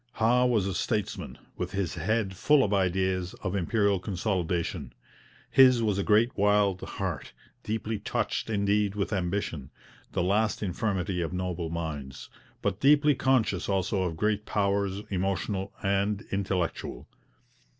Howe was a statesman, with his head full of ideas of Imperial consolidation. His was a great wild heart, deeply touched indeed with ambition, 'the last infirmity of noble minds,' but deeply conscious also of great powers, emotional and intellectual.